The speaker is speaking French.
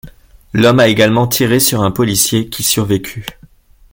L'homme a également tiré sur un policier, qui survécu.